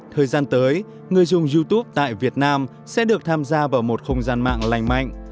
thời gian tới người dùng youtube tại việt nam sẽ được tham gia vào một không gian mạng lành mạnh